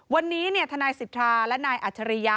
วันนี้ทนายสิทธาและนายอัจฉริยะ